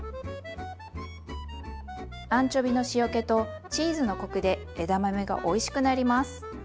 アンチョビの塩気とチーズのコクで枝豆がおいしくなります。